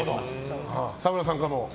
沢村さんからも。